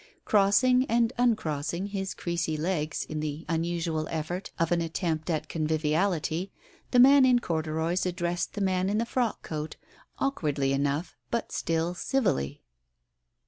Crossing and uncrossing his creasy legs, in the unusual effort of an attempt at conviviality, the man in corduroys addressed the man in the frock coat awkwardly enough, but still civilly.